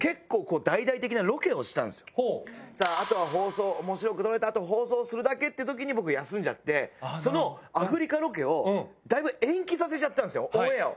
さああとは放送面白く撮れた後放送するだけってときに僕休んじゃってそのアフリカロケをだいぶ延期させちゃったんですよオンエアを。